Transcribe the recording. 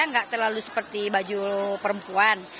nggak terlalu seperti baju perempuan